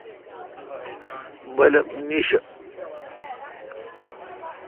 بلب نیݭہ